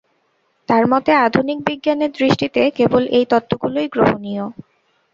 তাঁর মতে আধুনিক বিজ্ঞানের দৃষ্টিতে কেবল এই তত্ত্বগুলিই গ্রহণীয়।